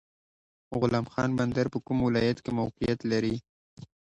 غلام خان بندر په کوم ولایت کې موقعیت لري؟